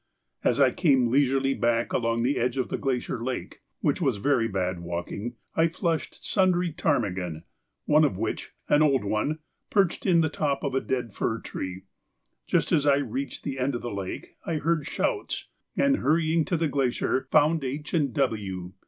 As I came leisurely back along the edge of the glacier lake, which was very bad walking, I flushed sundry ptarmigan, one of which, an old one, perched in the top of a dead fir tree. Just as I reached the end of the lake I heard shouts, and, hurrying to the glacier, found H. and W.